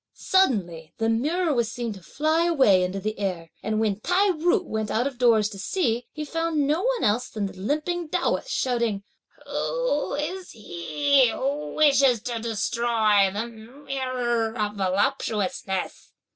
Suddenly the mirror was seen to fly away into the air; and when Tai ju went out of doors to see, he found no one else than the limping Taoist, shouting, "Who is he who wishes to destroy the Mirror of Voluptuousness?"